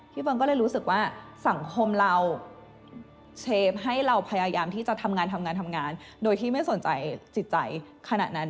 เฟิร์นก็เลยรู้สึกว่าสังคมเราเชฟให้เราพยายามที่จะทำงานทำงานโดยที่ไม่สนใจจิตใจขณะนั้น